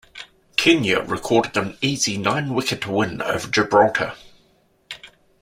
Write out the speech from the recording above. Kenya recorded an easy nine-wicket win over Gibraltar.